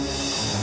nih begitu jauh apa